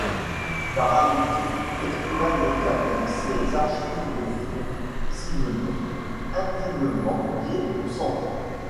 Par amitié, l'écrivain légua toutes ses archives au Fonds Simenon, intimement lié au Centre.